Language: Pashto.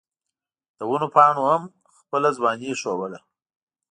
د ونو پاڼو هم خپله ځواني ښووله.